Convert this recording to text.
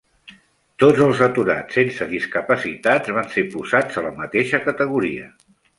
Tots els aturats sense discapacitats van ser posats a la mateixa categoria.